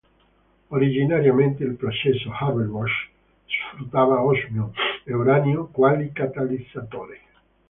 Originariamente il processo Haber-Bosch sfruttava osmio e uranio quali catalizzatori.